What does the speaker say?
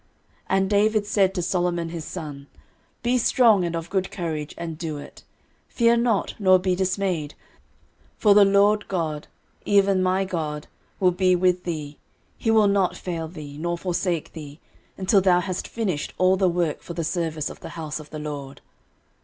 13:028:020 And David said to Solomon his son, Be strong and of good courage, and do it: fear not, nor be dismayed: for the LORD God, even my God, will be with thee; he will not fail thee, nor forsake thee, until thou hast finished all the work for the service of the house of the LORD.